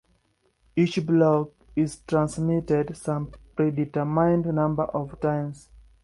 Each block is transmitted some predetermined number of times.